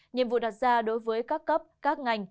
nhiệm vụ đặt ra đối với các cấp các ngành